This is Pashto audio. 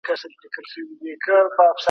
که حکومت کنټرول ونه کړي بیې به لوړې شي.